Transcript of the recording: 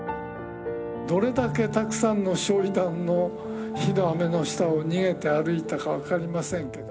どれだけたくさんの焼い弾の火の雨の下を逃げて歩いたか分かりませんけど。